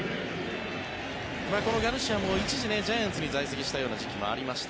このガルシアも一時、ジャイアンツに在籍した時期もありました。